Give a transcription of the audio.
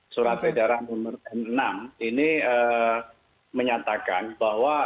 surat edaran nomor enam ini menyatakan bahwa